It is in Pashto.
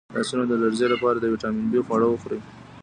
د لاسونو د لرزې لپاره د ویټامین بي خواړه وخورئ